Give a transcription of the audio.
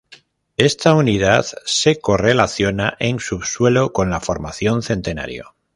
Esta unidad se correlaciona en subsuelo con la Formación Centenario.